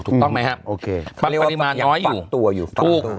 ถูกต้องไหมครับ